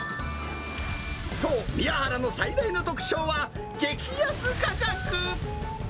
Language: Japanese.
そう、みやはらの最大の特徴は激安価格。